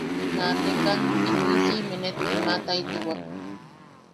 Naateka, iniʼi siʼime net kiimataitiwak.